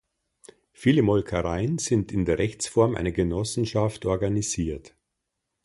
Viele Molkereien sind in der Rechtsform einer Genossenschaft organisiert.